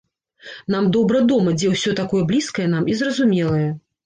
Нам добра дома, дзе ўсё такое блізкае нам і зразумелае.